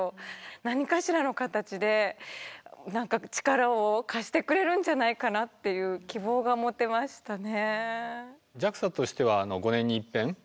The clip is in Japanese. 何かしらの形で何か力を貸してくれるんじゃないかなっていう希望が持てましたね。